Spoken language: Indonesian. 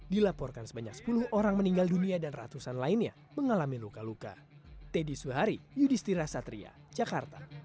dilaporkan sebanyak sepuluh orang meninggal dunia dan ratusan lainnya mengalami luka luka